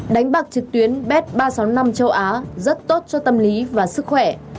đánh bạc trực tuyến bet ba trăm sáu mươi năm châu á rất tốt cho tâm lý và sức khỏe